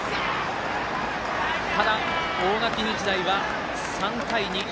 ただ、大垣日大は３対２。